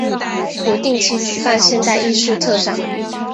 不定期举办现代艺术特展。